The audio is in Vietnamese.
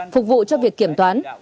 phục vụ cho việc kiểm toán